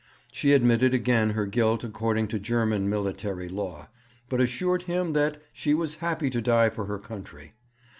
She admitted again her guilt according to German military law, but assured him that "she was happy to die for her country."